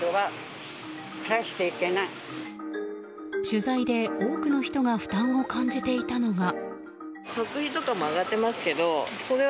取材で多くの人が負担を感じていたのが。